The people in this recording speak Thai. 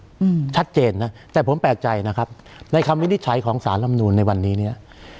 อืมชัดเจนนะแต่ผมแปลกใจนะครับในคำวินิจฉัยของสารลำนูนในวันนี้เนี้ย